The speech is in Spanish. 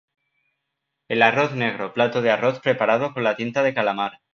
El arroz negro plato de arroz preparado con la tinta de calamar.